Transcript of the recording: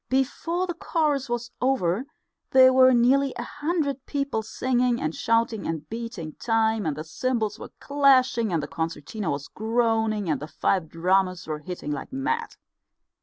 Before the chorus was over there were nearly a hundred people singing and shouting and beating time, and the cymbals were clashing, and the concertina was groaning, and the five drummers were hitting like mad.